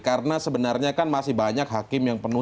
karena sebenarnya kan masih banyak hakim yang penuh